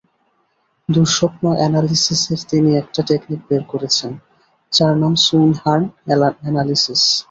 দুঃস্বপ্ন অ্যানালিসিসের তিনি একটা টেকনিক বের করেছেন, যার নাম সুইন হার্ন অ্যানালিসিস।